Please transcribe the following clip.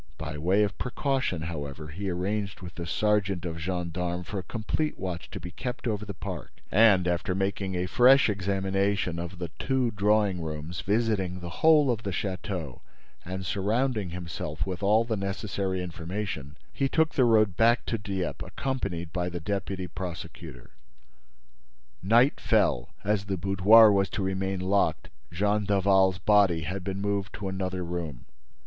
By way of precaution, however, he arranged, with the sergeant of gendarmes, for a complete watch to be kept over the park and, after making a fresh examination of the two drawing rooms, visiting the whole of the château and surrounding himself with all the necessary information, he took the road back to Dieppe, accompanied by the deputy prosecutor. Night fell. As the boudoir was to remain locked, Jean Daval's body had been moved to another room.